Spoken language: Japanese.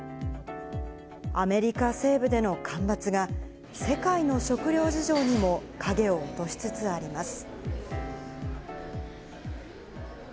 アメリカ西部での干ばつが、世界の食料事情にも影を落としつつあります。